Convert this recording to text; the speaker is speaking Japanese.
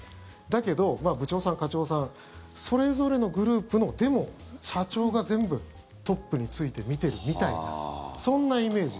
だけど部長さん、課長さんそれぞれのグループのでも、社長が全部トップに就いて見てるみたいなそんなイメージ。